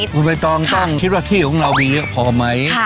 คุณใบตองต้องคิดว่าที่ของเรามีเยอะพอไหม